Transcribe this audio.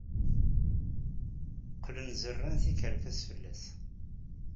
Qqlen zerrɛen tikerkas fell-as.